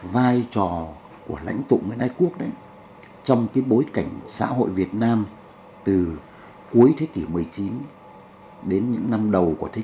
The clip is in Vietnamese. vai trò của lãnh tụng nguyễn ây quốc trong bối cảnh xã hội việt nam từ cuối thế kỷ một mươi chín đến những năm đầu của thế kỷ hai mươi